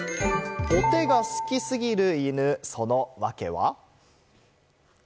お手が好き過ぎる犬、その訳は？